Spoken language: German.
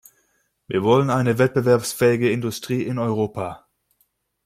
Wir wollen eine wettbewerbsfähige Industrie in Europa.